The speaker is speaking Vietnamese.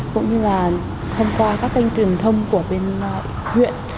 cũng như là thông qua các kênh truyền thông của bên huyện